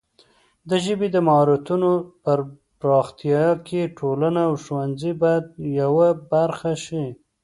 د ژبې د مهارتونو پر پراختیا کې ټولنه او ښوونځي باید یوه برخه شي.